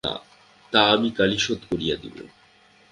তা আমি কালই শোধ করিয়া দিব।